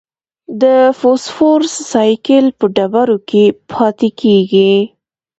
د فوسفورس سائیکل په ډبرو کې پاتې کېږي.